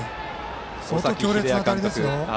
本当に強烈な当たりでしたよ。